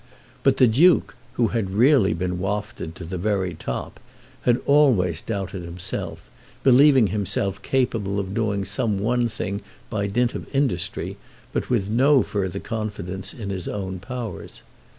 But the Duke, who had really been wafted to the very top, had always doubted himself, believing himself capable of doing some one thing by dint of industry, but with no further confidence in his own powers.